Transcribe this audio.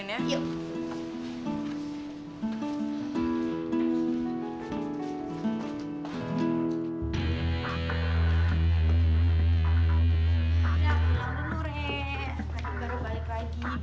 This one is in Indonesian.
kayaknya baru balik lagi